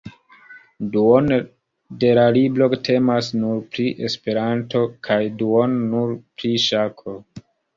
Duono de la libro temas nur pri Esperanto kaj duono nur pri ŝako.